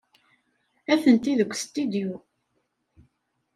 Atenti deg ustidyu.